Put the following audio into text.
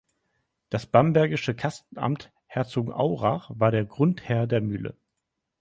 Das bambergische Kastenamt Herzogenaurach war der Grundherr der Mühle.